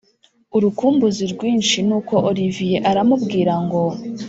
urukumbuzi rwinshi nuko olivier aramubwira ngo